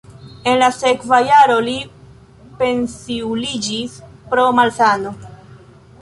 En la sekva jaro li pensiuliĝis pro malsano.